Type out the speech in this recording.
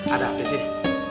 ada apa sih